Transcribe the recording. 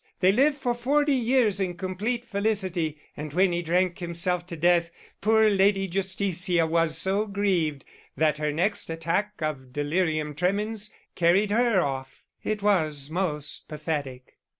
They lived for forty years in complete felicity, and when he drank himself to death poor Lady Justitia was so grieved that her next attack of delirium tremens carried her off. It was most pathetic."